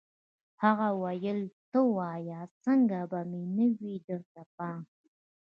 هغه ویل ته وایه څنګه به مې نه وي درته پام